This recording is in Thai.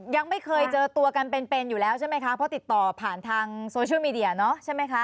ยังไม่เคยเจอตัวกันเป็นอยู่แล้วใช่ไหมคะเพราะติดต่อผ่านทางโซเชียลมีเดียเนาะใช่ไหมคะ